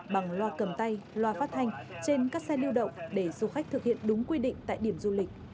bằng loa cầm tay loa phát thanh trên các xe lưu động để du khách thực hiện đúng quy định tại điểm du lịch